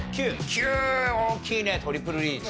９位大きいねトリプルリーチ。